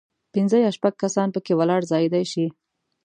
پنځه یا شپږ کسان په کې ولاړ ځایېدای شي.